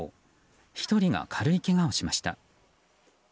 １人が軽いけがをしました。